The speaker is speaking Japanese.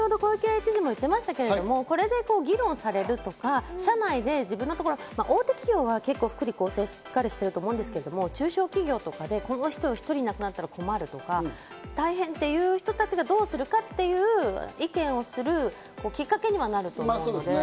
小池都知事も言ってましたけど、これだけ議論されるとか、社内で大手企業は福利厚生がしっかりしてると思うんですけど、中小企業とかで、この人１人いなくなったら困るとか、大変っていう人たちがどうするかっていう意見をするきっかけにはなると思います。